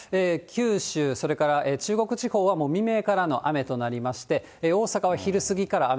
九州、それから中国地方はもう未明からの雨となりまして、大阪は昼過ぎから雨。